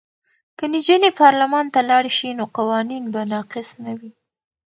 که نجونې پارلمان ته لاړې شي نو قوانین به ناقص نه وي.